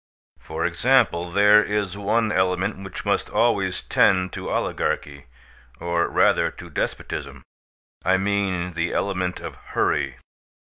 For example, there is one element which must always tend to oligarchy or rather to despotism; I mean the element of hurry.